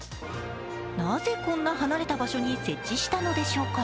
なぜ、こんな離れた場所に設置したのでしょうか？